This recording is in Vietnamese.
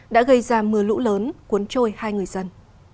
đã gây ra mưa lũ lớn cuốn trôi hai người dân